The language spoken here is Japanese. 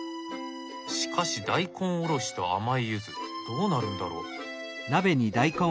しかし大根おろしと甘いユズどうなるんだろう？